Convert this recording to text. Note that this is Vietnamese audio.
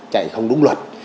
chạy không đúng luật